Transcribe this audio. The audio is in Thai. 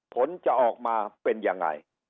ผลจะออกมาเป็นยังไง